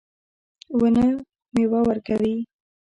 ونه میوه ورکوي